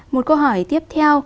một câu hỏi tiếp theo